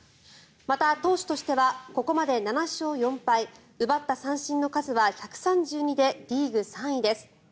また、投手としてはここまで７勝４敗奪った三振の数は１３２でリーグ３位です。